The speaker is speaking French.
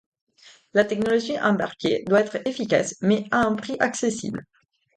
La technologie embarquée doit être efficace, mais à un prix accessible.